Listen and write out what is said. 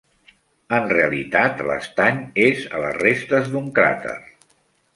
En realitat l'estany és a les restes d'un cràter.